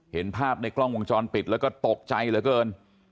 เห็นภาพในกล้องวงจรปิดแล้วก็ตกใจเหลือเกิน